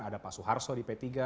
ada pak soeharto di p tiga